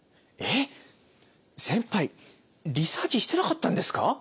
えっ先輩リサーチしてなかったんですか？